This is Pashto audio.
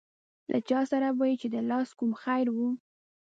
له چا سره به چې د لاس کوم خیر و.